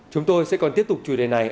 chúng tôi sẽ còn tiếp tục chủ đề này